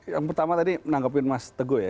yang pertama tadi menanggapi mas teguh ya